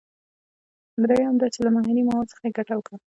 دریم دا چې له محلي موادو څخه یې ګټه وکړه.